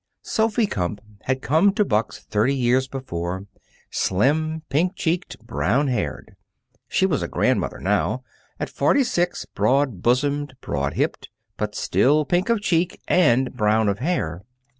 Sophy Kumpf had come to Buck's thirty years before, slim, pink cheeked, brown haired. She was a grandmother now, at forty six, broad bosomed, broad hipped, but still pink of cheek and brown of hair.